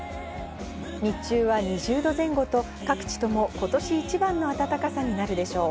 日中は２０度前後と各地とも今年一番の暖かさになるでしょう。